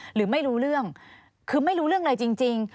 หรือไม่รู้เรื่องคือไม่รู้เรื่องเลยจริง